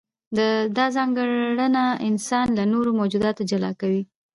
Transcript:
دا ځانګړنه انسان له نورو موجوداتو جلا کوي.